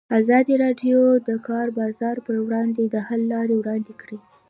ازادي راډیو د د کار بازار پر وړاندې د حل لارې وړاندې کړي.